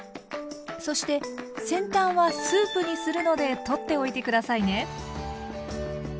そして先端はスープにするので取っておいて下さいね。